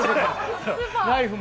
ライフも。